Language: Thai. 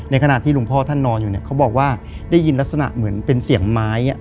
ขณะที่หลวงพ่อท่านนอนอยู่เนี่ยเขาบอกว่าได้ยินลักษณะเหมือนเป็นเสียงไม้